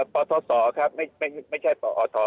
ปศครับไม่ใช่ปอท